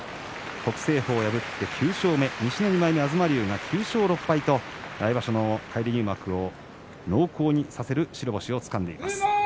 北青鵬破って、９勝目西の２枚目東龍が９勝６敗と来場所の返り入幕を濃厚にさせる白星をつかんでいます。